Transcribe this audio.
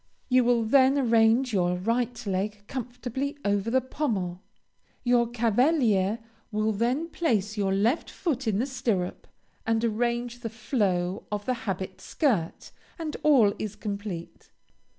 You will then arrange your right leg comfortably over the pommel, your cavalier will then place your left foot in the stirrup and arrange the flow of the habit skirt, and all is complete.